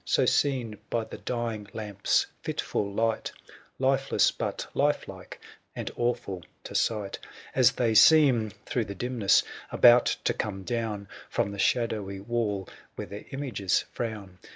So seen by the dying lamp's fitful light, Lifeless, but life like, and awful to sight ; As they seem, through the dimness, about to come down From the shadowy wall wheft their images frown ; D 34 THE SIEGE OF COl^INTH.